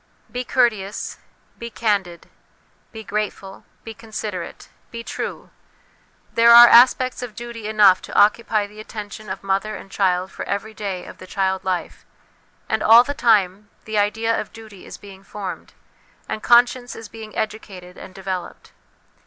Be courteous, be candid, be grateful, be considerate, be true ; there are aspects of duty enough to occupy the attention of mother and child for every day of the child life; and all the time, the idea of duty is being formed, and conscience is being educated and developed.